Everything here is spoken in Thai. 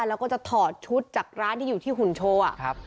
แล้วก็จะถอดชุดจากร้านที่อยู่ที่หุ่นโชว์อ่ะครับ